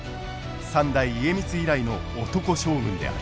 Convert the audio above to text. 三代家光以来の男将軍である。